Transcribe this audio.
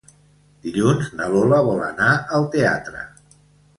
Dilluns na Lola vol anar al teatre.